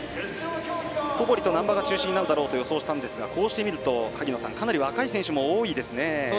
小堀と難波が中心になるだろうと予想したんですがこうして見ると萩野さん、かなり若い選手も多いですね。